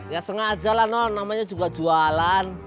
ya sengaja lah non namanya juga jualan